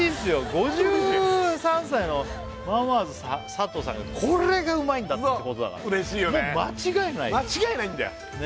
５３歳のママーズさとうさんがこれがうまいんだってことだからもう間違いない間違いないんだよ！